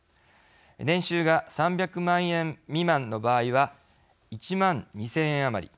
年収が３００万円未満の場合は１万２０００円余り。